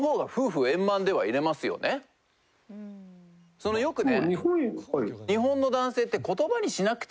そのよくね。